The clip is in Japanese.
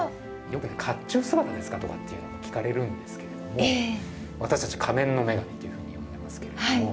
よく甲冑姿ですか？とかって聞かれるんですけれども、私たち「仮面の女神」っていうふうに呼んでますけれども。